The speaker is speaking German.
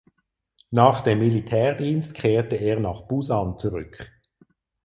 Nach dem Militärdienst kehrte er nach Busan zurück.